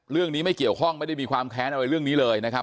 เรื่องนี้ไม่เกี่ยวข้องไม่ได้มีความแค้นอะไรเรื่องนี้เลยนะครับ